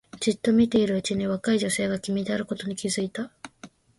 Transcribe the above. じっと見ているうちに若い女性が君であることに気がついた